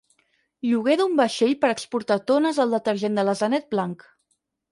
Lloguer d'un vaixell per exportar tones del detergent de l'asenet blanc.